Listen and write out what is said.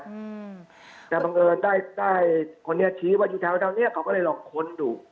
อืมแต่บังเอิญได้ได้คนนี้ชี้ว่าอยู่แถวแถวเนี้ยเขาก็เลยลองค้นดู